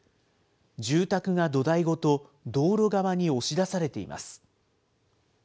住宅が土台ごと道路側に押し出されています。